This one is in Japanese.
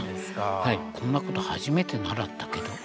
こんなこと初めて習ったけど。